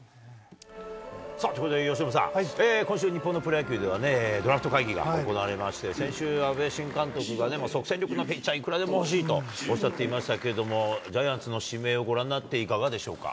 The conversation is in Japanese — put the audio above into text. ところで由伸さん、今週日本のプロ野球では、ドラフト会議が行われまして、先週、阿部新監督が、即戦力のピッチャー、いくらでも欲しいとおっしゃっていましたけれども、ジャイアンツの氏名をご覧になっていかがでしょうか。